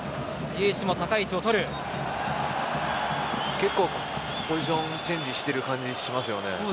結構ポジションチェンジしてる感じがしますよね。